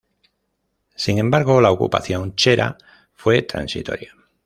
Sin embargo, la ocupación chera fue transitoria.